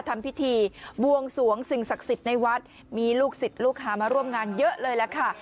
ทำพิธีบวงสวงสิ่งศักดิ์สิทธิ์ในวัดมีลูกศิษย์ลูกหามาร่วมงานเยอะเลยล่ะค่ะ